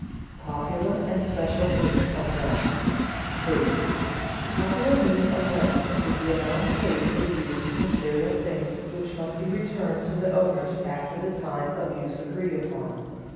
[Sidenote: Popular and special meaning of rent] 3. _The popular meaning of rent is the amount paid for the use of material things which must be returned to the owners after the time of use agreed upon.